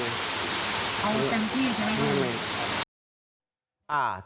เอาเต็มที่ใช่ไหม